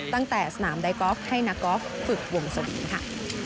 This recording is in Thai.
ตั้งแต่สนามไดกอล์ฟให้นักกอล์ฟฝึกวงสวงค่ะ